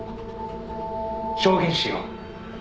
「証言しよう」